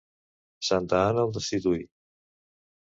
Santa Anna el destituí.